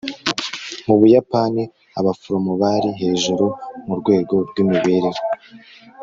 mu buyapani, abaforomo bari hejuru murwego rwimibereho